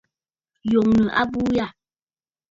Yòŋə abuu yâ.